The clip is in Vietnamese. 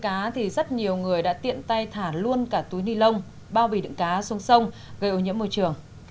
trong lúc phóng cá thì rất nhiều người đã tiện tay thả luôn cả túi ni lông bao bì đựng cá sông sông gây ô nhiễm môi trường